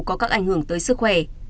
có các ảnh hưởng tới sức khỏe